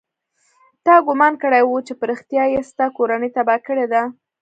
تا ګومان کړى و چې په رښتيا يې ستا کورنۍ تباه کړې ده.